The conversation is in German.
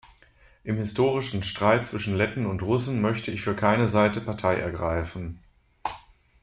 Im historischen Streit zwischen Letten und Russen möchte ich für keine Seite Partei ergreifen.